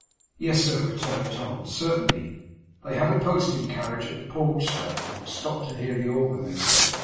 'Yes, sir,' returned Tom, 'certainly. They had a posting carriage at the porch, sir, and had stopped to hear the organ, they said.